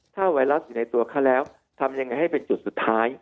ถ้าไวรัสอยู่ในตัวเขาแล้วทำยังไงให้เป็นจุดสุดท้าย